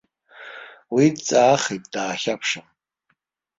Уи дҵаахит даахьаԥшын.